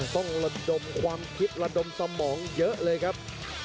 ต้องระดมความคิดระดมสมองเยอะเลยครับ